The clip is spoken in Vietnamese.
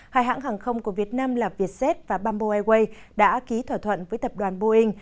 hai hãng hàng không của việt nam là vietjet và bamboo airways đã ký thỏa thuận với tập đoàn boeing